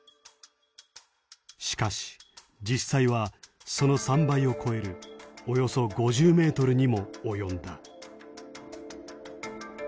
しかし実際はその３倍を超えるおよそ５０メートルにも及んだ。